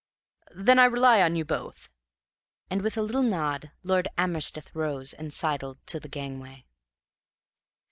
Then I rely on you both." And, with a little nod, Lord Amersteth rose and sidled to the gangway.